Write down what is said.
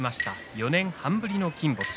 ４年半ぶりの金星。